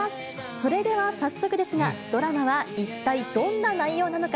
それでは早速ですが、ドラマは一体どんな内容なのか。